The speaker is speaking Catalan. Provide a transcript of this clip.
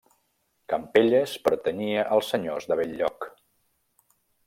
Campelles pertanyia als senyors de Bell-lloc.